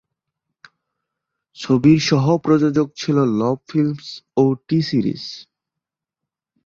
ছবির সহ-প্রযোজক ছিল লব ফিল্মস ও টি-সিরিজ।